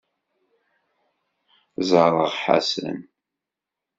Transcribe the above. Ẓẓareɣ Ḥasan.